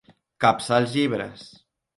Capçar els llibres.